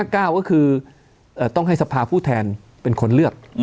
ก็คือต้องให้สภาผู้แทนเป็นคนเลือก